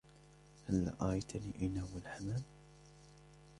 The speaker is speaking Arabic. هلاّ أريتني أين هو الحمّام؟